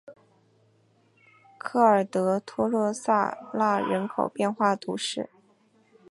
科尔德托洛萨纳人口变化图示